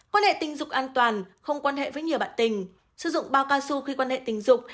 quan hệ tình dục an toàn không quan hệ với nhiều bạn tình sử dụng bao cao su khi quan hệ tình dục